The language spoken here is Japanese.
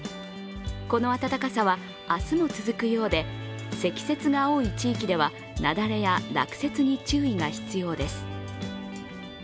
この暖かさは明日も続くようで積雪が多い地域では雪崩や落雪に注意が必要です。